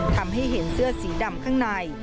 ทำให้เห็นเสื้อสีดำข้างใน